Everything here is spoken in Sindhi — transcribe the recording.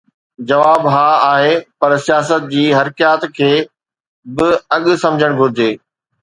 جواب ها آهي، پر سياست جي حرڪيات کي به الڳ سمجهڻ گهرجي.